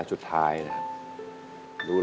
ต้องพาสนบรรย์